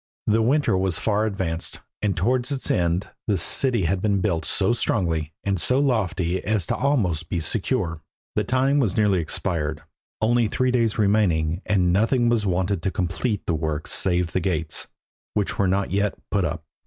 The winter was far advanced, and towards its end the city had been built so strongly and so lofty as to be almost secure. The time was nearly expired, only three days remaining, and nothing was wanted to complete the work save the gates, which were not yet put up.